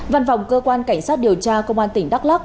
văn phòng cơ quan cảnh sát điều tra công an tỉnh đắk lắc